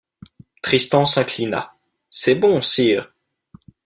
Tristan s’inclina. — C’est bon, sire!